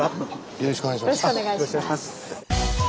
よろしくお願いします。